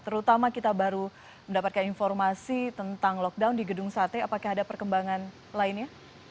terutama kita baru mendapatkan informasi tentang lockdown di gedung sate apakah ada perkembangan lainnya